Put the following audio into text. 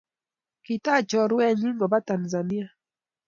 Kitach chorwenyi kopa Tanzania.